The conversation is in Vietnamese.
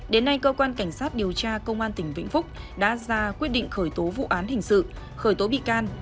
đến nay cơ quan cảnh sát điều tra công an tỉnh vĩnh phúc đã ra quyết định khởi tố vụ án hình sự khởi tố bị can